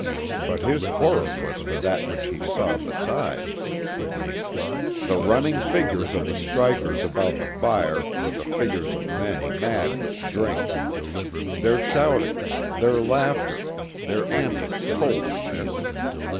But his horror was for that which he saw besides. The running figures of the strikers about the fire were the figures of men mad with drink. Their shoutings, their laughter, their antics told him this.